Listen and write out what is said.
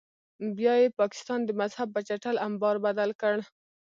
بیا یې پاکستان د مذهب په چټل امبار بدل کړ.